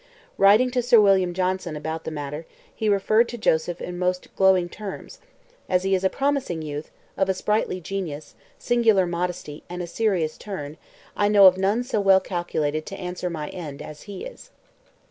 Writing to Sir William Johnson about the matter, he referred to Joseph in most glowing terms: 'As he is a promising youth, of a sprightly genius, singular modesty, and a serious turn, I know of none so well calculated to answer my end as he is.'